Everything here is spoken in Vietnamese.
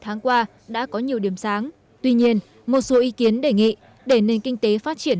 tháng qua đã có nhiều điểm sáng tuy nhiên một số ý kiến đề nghị để nền kinh tế phát triển